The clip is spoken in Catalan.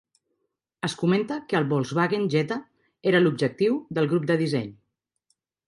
Es comenta que el Volkswagen Jetta era l'objectiu del grup de disseny.